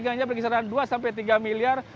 kemudian kapal dengan tonase satu ratus lima puluh gros